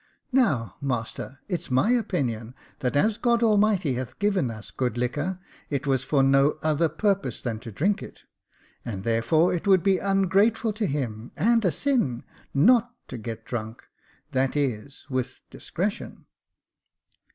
Now, master, it's my opinion that as God Almighty has given us good liquor, it was for no other purpose than to drink it j and therefore it would be ungrateful to him, and a sin, not to get drunk — that is, with discretion."